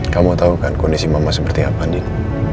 kamu tahu kan kondisi mama seperti apa andin